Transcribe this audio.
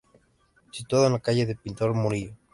Situado en la calle de Pintor Murillo.